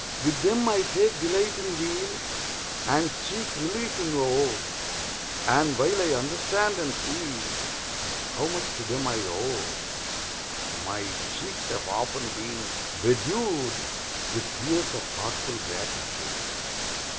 1 1 10 GEORGIAN VERSE With them I take delight in weal, And seek relief in woe; And while I understand and feel How much to them I owe, My cheeks have often been bedew'd With tears of thoughtful gratitude.